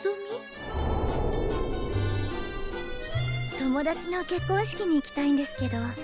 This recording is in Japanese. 友達の結婚式に行きたいんですけど